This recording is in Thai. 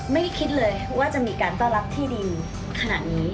ไม่ได้คิดเลยว่าจะมีการต้อนรับที่ดีขนาดนี้